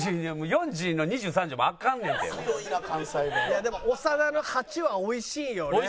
いやでも長田の８はおいしいよね。